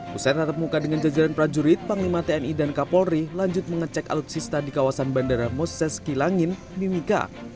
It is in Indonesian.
pusat tatap muka dengan jajaran prajurit panglima tni dan kapolri lanjut mengecek alutsista di kawasan bandara moses kilangin mimika